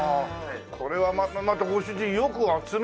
これはまたご主人よく集めましたね。